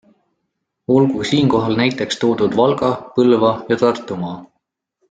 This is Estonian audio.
Olgu siinkohal näiteks toodud Valga-, Põlva- ja Tartumaa.